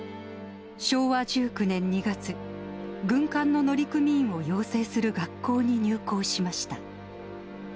昭和１９年２月、軍艦の乗組員を養成する学校に入校しました。